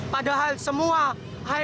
padahal semua hmi